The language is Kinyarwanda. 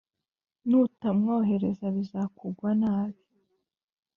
Nutamwohereza bizakugwa nabi!